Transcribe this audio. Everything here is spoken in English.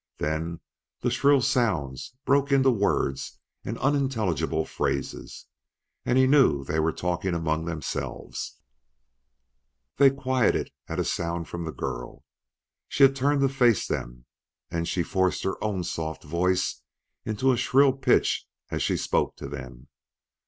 Then the shrill sounds broke into words and unintelligible phrases, and he knew they were talking among themselves. They quieted at a sound from the girl. She had turned to face them, and she forced her own soft voice into a shrill pitch as she spoke to them.